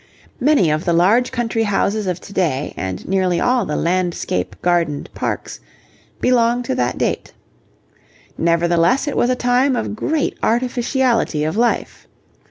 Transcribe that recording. Many of the large country houses of to day, and nearly all the landscape gardened parks, belong to that date. Nevertheless it was a time of great artificiality of life.